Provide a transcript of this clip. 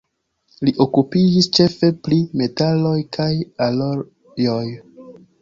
Li okupiĝis ĉefe pri metaloj kaj alojoj.